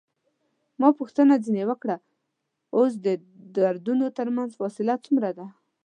ما پوښتنه ځنې وکړل: اوس د دردونو ترمنځ فاصله څومره ده؟